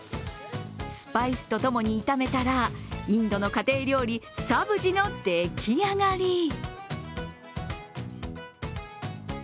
スパイスと共に炒めたら、インドの家庭料理、サブジの出来上がり。